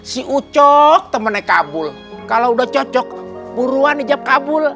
si ucok temennya kabul kalau udah cocok buruan hijab kabul